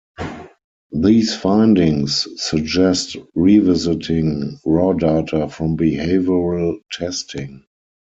These findings suggest revisiting raw data from behavioral testing.